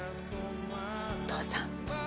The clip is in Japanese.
お父さん。